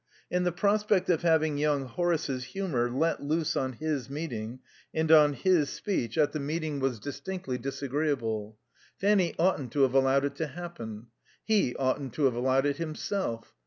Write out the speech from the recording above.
And the prospect of having young Horace's humour let loose on his meeting and on his speech at the meeting was distinctly disagreeable. Fanny oughtn't to have allowed it to happen. He oughtn't to have allowed it himself.